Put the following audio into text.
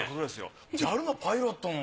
ＪＡＬのパイロットも。